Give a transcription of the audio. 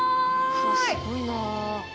うわすごいなあ。